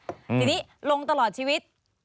ทีนี้ลงตลอดชีวิต